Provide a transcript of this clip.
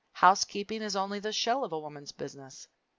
Housekeeping is only the shell of a Woman's Business.